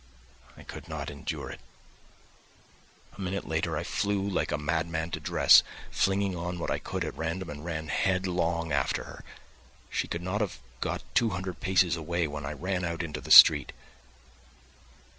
I could not endure it. A minute later I flew like a madman to dress, flinging on what I could at random and ran headlong after her. She could not have got two hundred paces away when I ran out into the street.